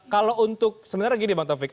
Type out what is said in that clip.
kalau untuk sebenarnya gini bang taufik